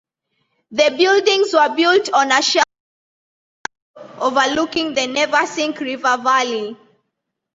The buildings were built on a sharp upslope overlooking the Neversink River valley.